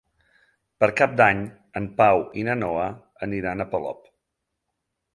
Per Cap d'Any en Pau i na Noa aniran a Polop.